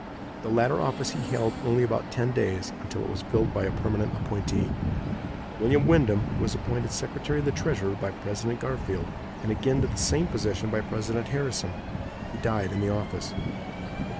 The latter office he held only about ten days, until it was filled by a permanent appointee. William Windom was appointed secretary of the treasury by President Garfield, and again to the same position by President Harrison. He died in the office.